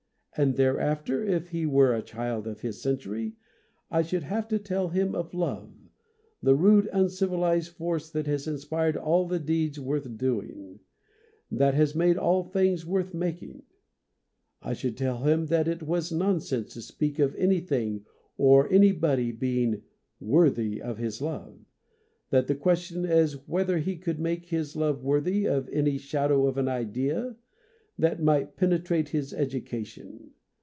" and thereafter, if he were a child of his century, I should HOW TO BE A POET 81 have to tell him of love, the rude, uncivi lized force that has inspired all the deeds worth doing, that has made all the things worth making. I should tell him that it was nonsense to speak of anything or any body being " worthy of his love," that the question was whether he could make his love worthy of any shadow of an idea that might penetrate his education.